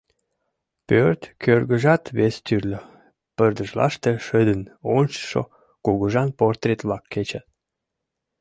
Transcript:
Пӧрт кӧргыжат вес тӱрлӧ — пырдыжлаште шыдын ончышо кугыжан портрет-влак кечат.